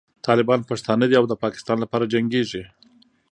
طالبان پښتانه دي او د پاکستان لپاره جنګېږي.